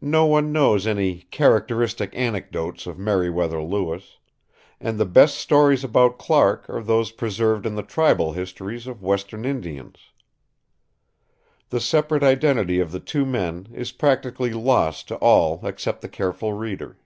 No one knows any "characteristic anecdotes" of Meriwether Lewis; and the best stories about Clark are those preserved in the tribal histories of Western Indians. The separate identity of the two men is practically lost to all except the careful reader.